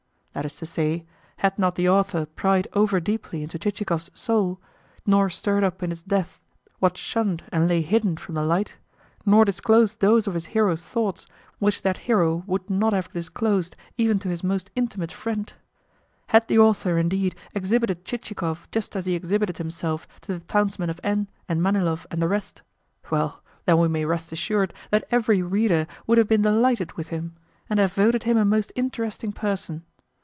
That is to say, had not the author pried over deeply into Chichikov's soul, nor stirred up in its depths what shunned and lay hidden from the light, nor disclosed those of his hero's thoughts which that hero would have not have disclosed even to his most intimate friend; had the author, indeed, exhibited Chichikov just as he exhibited himself to the townsmen of N. and Manilov and the rest; well, then we may rest assured that every reader would have been delighted with him, and have voted him a most interesting person.